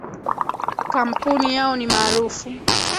Campuni yao ni maarufu.